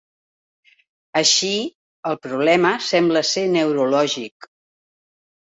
Així, el problema sembla ser neurològic.